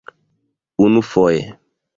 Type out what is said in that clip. unufoje